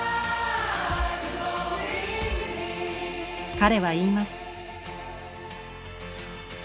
彼は言います。